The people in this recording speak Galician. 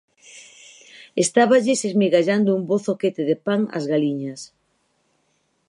Estáballes esmigallando un bo zoquete de pan ás galiñas.